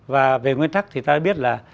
và về nguyên tắc thì ta biết là